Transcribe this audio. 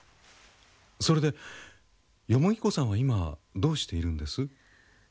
それで子さんは今どうしているんです？